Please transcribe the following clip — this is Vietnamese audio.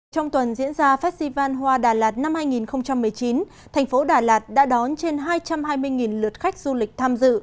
trong tuần diễn ra festival hoa đà lạt năm hai nghìn một mươi chín thành phố đà lạt đã đón trên hai trăm hai mươi lượt khách du lịch tham dự